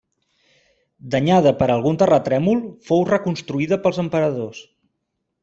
Danyada per algun terratrèmol, fou reconstruïda pels emperadors.